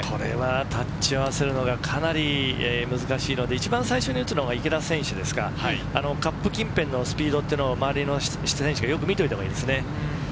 タッチを合わせるのがかなり難しいので、一番最初に打つのが池田選手、カップ近辺のスピードを周りの選手はよく見ておいたほうがいいですね。